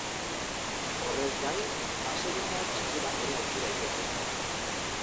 Horrez gain, baseliza txiki bat ere aurki daiteke.